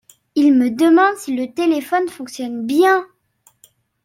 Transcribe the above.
Il me demande si le téléphone fonctionne bien !…